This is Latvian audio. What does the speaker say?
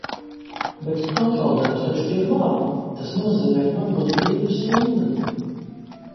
Bet kontroldarbs taču ir labi! Tas nozīmē, ka man būs brīva stunda.